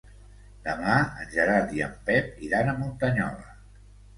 Demà en Gerard i en Pep iran a Muntanyola.